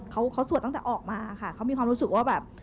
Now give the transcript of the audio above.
เขาเขาสวดตั้งแต่ออกมาค่ะเขามีความรู้สึกว่าแบบ